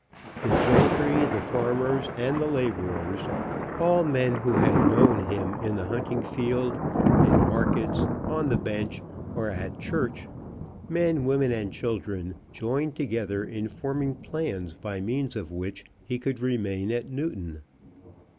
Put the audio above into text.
The gentry, the farmers, and the labourers, all men who had known him in the hunting field, in markets, on the bench, or at church, men, women and children, joined together in forming plans by means of which he could remain at Newton.